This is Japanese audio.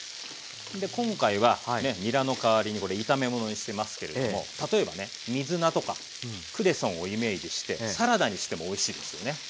で今回はにらの代わりに炒め物にしてますけれども例えばね水菜とかクレソンをイメージしてサラダにしてもおいしいですよね。